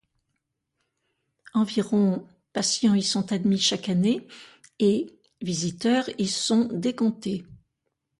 Environ patients y sont admis chaque année, et visiteurs y sont décomptés.